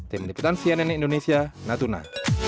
tim liputan cnn indonesia natuna